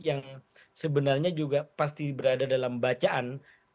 yang sebenarnya juga pasti berada dalam bacaan